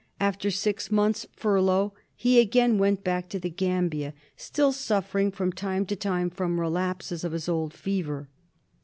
After six months' furlough he again went back to the Gambia, still suffering from time to time from relapses of his old fever.